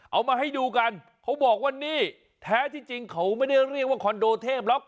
เอามาให้ดูกันเขาบอกว่านี่แท้ที่จริงเขาไม่ได้เรียกว่าคอนโดเทพหรอก